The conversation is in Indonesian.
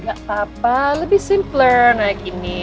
gak apa apa lebih simpler naik ini